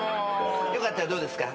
よかったらどうですか？